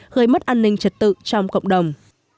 gây mất an ninh trật tự trong cộng đồng